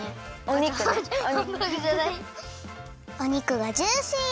お肉がジューシー！